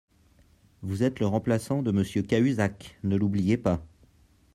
Vous êtes le remplaçant de Monsieur Cahuzac, ne l’oubliez pas